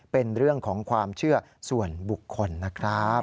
เป็นเรื่องของความเชื่อส่วนบุคคลนะครับ